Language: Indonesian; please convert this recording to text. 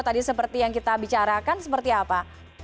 tadi seperti yang kita bicarakan seperti apa